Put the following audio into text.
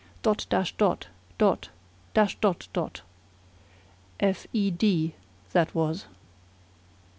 "Dot dash dot! Dot! Dash dot dot!" "F e d," that was.